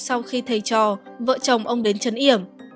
sau khi thầy trò vợ chồng ông đến chấn yểm